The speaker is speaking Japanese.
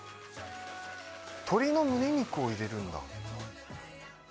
鶏のむね肉を入れるんだ。